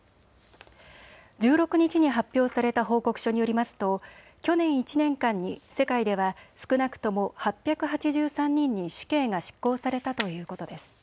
１６日に発表された報告書によりますと去年１年間に世界では少なくとも８８３人に死刑が執行されたということです。